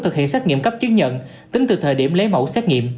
thực hiện xét nghiệm cấp chứng nhận tính từ thời điểm lấy mẫu xét nghiệm